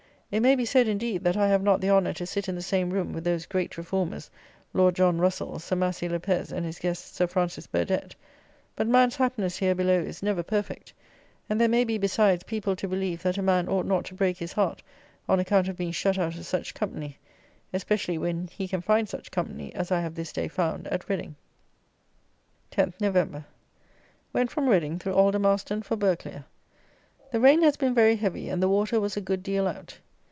It may be said, indeed, that I have not the honour to sit in the same room with those great Reformers, Lord John Russell, Sir Massey Lopez, and his guest, Sir Francis Burdett; but man's happiness here below is never perfect; and there may be, besides, people to believe, that a man ought not to break his heart on account of being shut out of such company, especially when he can find such company as I have this day found at Reading. 10 November. Went from Reading, through Aldermaston for Burghclere. The rain has been very heavy, and the water was a good deal out.